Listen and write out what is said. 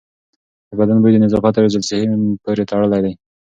د بدن بوی د نظافت او حفظ الصحې پورې تړلی دی.